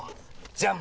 じゃん！